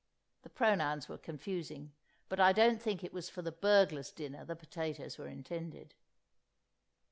(The pronouns were confusing, but I don't think it was for the burglar's dinner the potatoes were intended.)